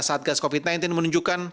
satgas covid sembilan belas menunjukkan